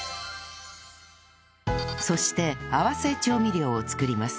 そして合わせ調味料を作ります